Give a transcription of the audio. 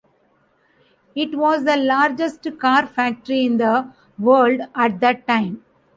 It was the largest car factory in the world at that time.